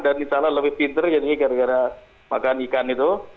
dan misalnya lebih pinter jadi gara gara makan ikan itu